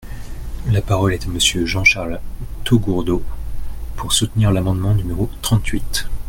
La parole est à Monsieur Jean-Charles Taugourdeau, pour soutenir l’amendement numéro trente-huit.